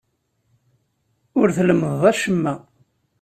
Ur tlemmdeḍ acemma.